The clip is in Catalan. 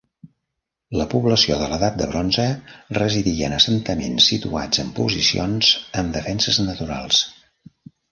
La població de l'edat de bronze residia en assentaments situats en posicions amb defenses naturals.